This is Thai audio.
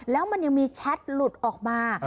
แล้วมันยังมีแชทหลุดออกมา